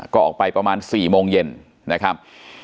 ก็ออกไปประมาณ๔โมงเย็นนะครับ